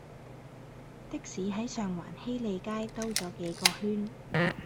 的士喺上環禧利街兜左幾個圈